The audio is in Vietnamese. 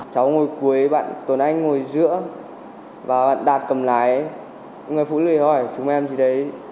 cháu ngồi cuối bạn tuấn anh ngồi giữa và đạt cầm lái người phụ nữ hỏi chúng em gì đấy